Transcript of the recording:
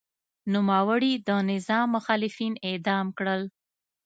نوموړي د نظام مخالفین اعدام کړل.